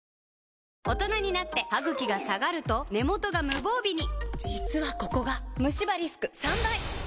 大人になってハグキが下がると根元が無防備に実はここがムシ歯リスク３倍！